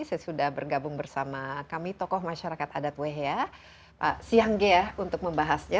saya sudah bergabung bersama kami tokoh masyarakat adat wehea pak sianggea untuk membahasnya